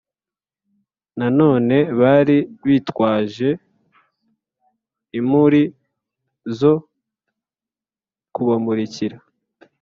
Nanone bari bitwaje imuri zo kubamurikira